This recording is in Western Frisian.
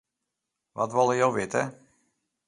Wat wolle jo witte?